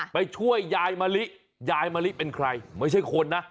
ไปช่วยยายมะลิยายมะลิเป็นใครไม่ใช่คนนะ